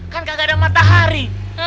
kan kagak ada matahari